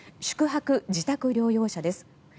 宿泊・自宅療養者です。